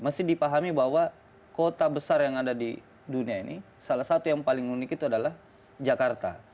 mesti dipahami bahwa kota besar yang ada di dunia ini salah satu yang paling unik itu adalah jakarta